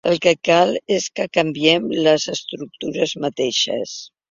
El que cal és que canviem les estructures mateixes!